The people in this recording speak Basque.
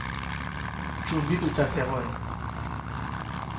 Txundituta zegoen.